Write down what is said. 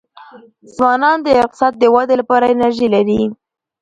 ځوانان د اقتصاد د ودې لپاره انرژي لري.